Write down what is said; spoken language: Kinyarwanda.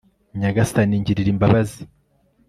nyagasani, ngirira imbabazi